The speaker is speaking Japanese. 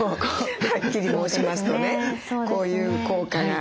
はっきり申しますとねこういう効果が。